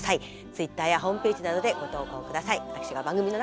ツイッターやホームページなどでご投稿ください。